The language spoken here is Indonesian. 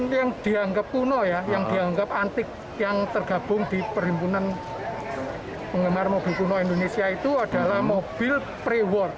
itu yang dianggap kuno ya yang dianggap antik yang tergabung di perhimpunan penggemar mobil kuno indonesia itu adalah mobil pre war